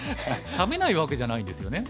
食べないわけじゃないんですよね？